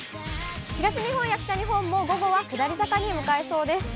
東日本や北日本も午後は下り坂に向かいそうです。